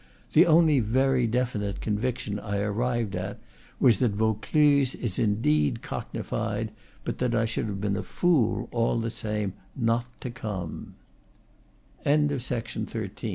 The only very definite conviction I arrived at was that Vaucluse is indeed cockneyfied, but that I should have been a fool, all the same, not to come.